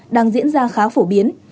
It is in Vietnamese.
đang diễn ra khá phổ biến